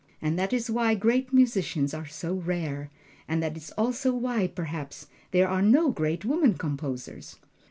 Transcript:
And that is why Great Musicians are so rare, and that is also why, perhaps, there are no great women composers.